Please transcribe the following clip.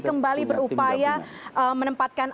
kembali berupaya menempatkan